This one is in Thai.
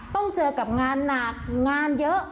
ต้องเจอกับงานหนักงานเยอะ